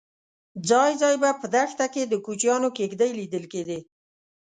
ځای ځای به په دښته کې د کوچیانو کېږدۍ لیدل کېدې.